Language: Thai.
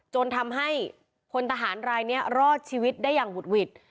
จนทำให้พลทหารรายนี้รอดชีวิตได้อย่างหุดหวิด